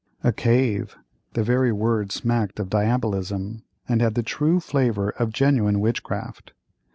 A cave! the very word smacked of diabolism, and had the true flavor of genuine witchcraft.